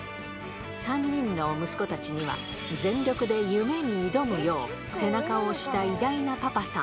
３人の息子たちには、全力で夢に挑むよう、背中を押した偉大なパパさん。